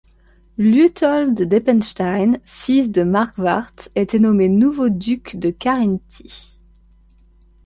Liutold d'Eppenstein, fils de Markwart, était nommé nouveau duc de Carinthie.